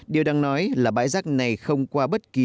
điều đáng nói là bãi rác này không qua bất kỳ